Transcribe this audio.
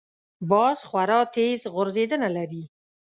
باز خورا تېز غورځېدنه لري